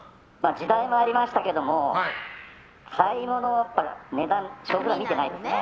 時代もありましたけど買い物だったら値段は見てないですね。